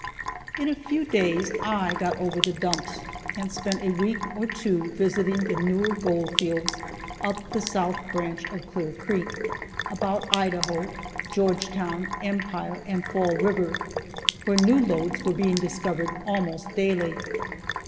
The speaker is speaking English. In a few days I got over the "dumps," and spent a week or two visiting the newer gold fields up the south branch of Clear creek, about Idaho, Georgetown, Empire and Fall river, where new lodes were being discovered almost daily.